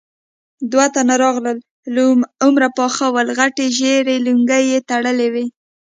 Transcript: دوه تنه راغلل، له عمره پاخه ول، غټې ژېړې لونګۍ يې تړلې وې.